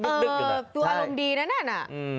ดูอารมณ์ดีนั้นน่ะ